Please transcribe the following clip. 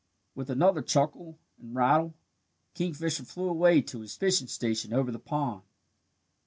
With another chuckle and rattle the kingfisher flew away to his fishing station over the pond.